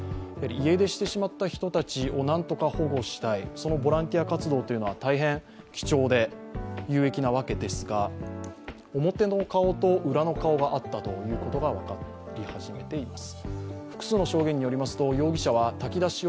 家出してしまった人たちをなんとか保護したい、そのボランティア活動というのは大変貴重で有益なわけですが表の顔と裏の顔があったということが分かり始めています。